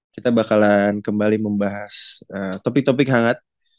kita bakalan kembali membahas topik topik hangat